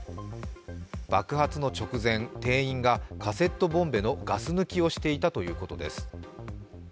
爆発の直前、店員がカセットボンベのガス抜きをしていたということです。